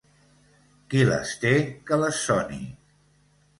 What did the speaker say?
Qui les té, que les soni.